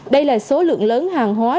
đây là số lượng lớn hàng hóa đánh giá